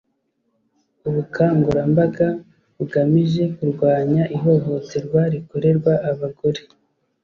Ubukangurambaga bugamije kurwanya ihohoterwa rikorerwa abagore